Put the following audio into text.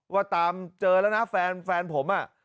ว่าตามเจอแล้วนะแฟนผมอ่ะ